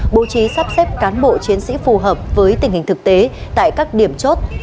bố trí sắp xếp cán bộ chiến sĩ phù hợp với tình hình thực tế tại các điểm chốt